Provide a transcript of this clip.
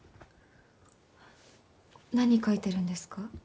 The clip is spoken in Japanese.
何書いてるんですか？